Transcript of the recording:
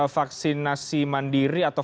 vaksinasi mandiri atau